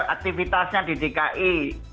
aktivitasnya di dki